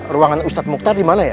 ruangan ustadz mukhtar dimana ya